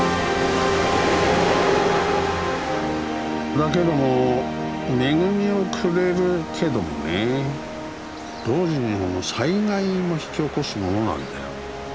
だけども恵みをくれるけどもね同時に災害も引き起こすものなんだよ。